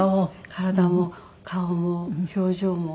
体も顔も表情も。